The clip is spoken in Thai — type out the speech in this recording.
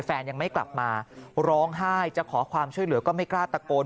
แฟนยังไม่กลับมาร้องไห้จะขอความช่วยเหลือก็ไม่กล้าตะโกน